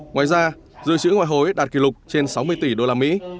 ngoài ra dự trữ ngoại hối đạt kỷ lục trên sáu mươi tỷ usd